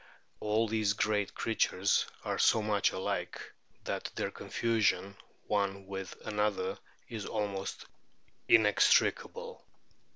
All these great creatures are so much alike that their o confusion one with another is almost inextricable.